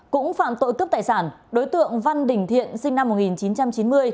cũng phạm tội cướp tài sản đối tượng văn đình thiện sinh năm một nghìn chín trăm chín mươi